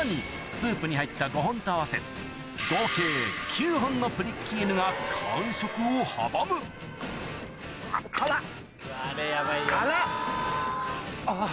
スープに入った５本と合わせ合計９本のプリッキーヌが完食を阻むあぁ！